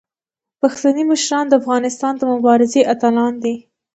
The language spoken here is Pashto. پښتني مشران د افغانستان د مبارزې اتلان دي.